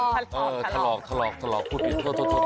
ทะลอกทะลอกทะลอกทะลอกพูดผิดโทษโทษโทษ